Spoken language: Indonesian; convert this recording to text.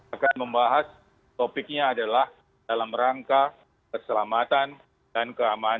akan membahas topiknya adalah dalam rangka keselamatan dan keamanan